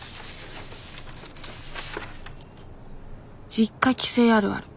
実家帰省あるある。